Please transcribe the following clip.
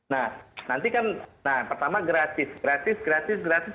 nah nanti kan nah pertama gratis gratis gratis gratis